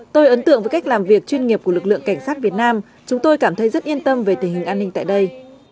tôi ấn tượng với cách làm việc chuyên nghiệp của lực lượng cảnh sát việt nam chúng tôi cảm thấy rất yên tâm về tình hình an ninh tại đây